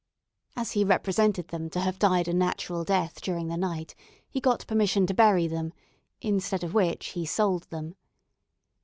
As he represented them to have died a natural death during the night, he got permission to bury them, instead of which he sold them.